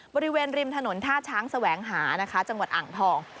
บริเวณริมถนนท่าช้างแสวงหานะคะจังหวัดอ่างทอง